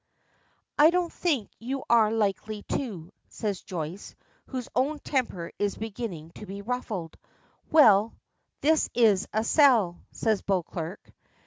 "I don't think you are likely to," says Joyce, whose own temper is beginning to be ruffled. "Well, this is a sell," says Beauclerk.